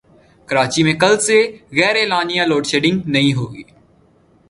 کراچی میں کل سے غیراعلانیہ لوڈشیڈنگ نہیں ہوگی